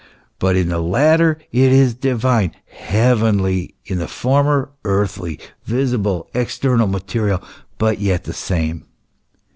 But in the latter it is divine, heavenly ; in the former, earthly, visible, external, material, but yet the same."